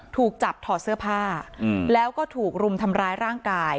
ถูกจับถอดเสื้อผ้าแล้วก็ถูกรุมทำร้ายร่างกาย